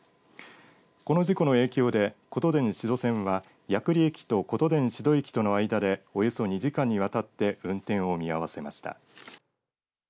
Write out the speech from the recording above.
この事故の影響でことでん志度線は八栗駅と琴電志度駅の間でおよそ２時間にわたって運転を見合わせました。